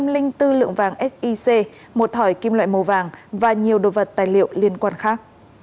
một trăm linh bốn lượng vàng sic một thỏi kim loại màu vàng và nhiều đồ vật tài liệu liên quan khác